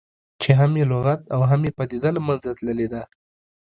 چې هم یې لغت او هم یې پدیده له منځه تللې ده.